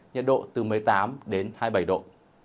nhiệt độ từ một mươi tám đến hai mươi bảy độ